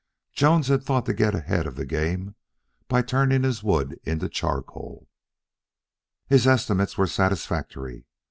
Jones had thought to get ahead of the game by turning his wood into charcoal. His estimates were satisfactory.